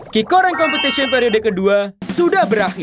kicoring competition periode kedua sudah berakhir